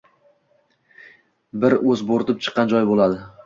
bir o’z bo’rtib chiqqan joyi bo’ladi